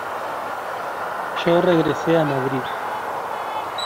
Yo regresé a madrid.